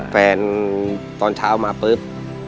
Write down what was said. ตอนเช้ามาปุ๊บ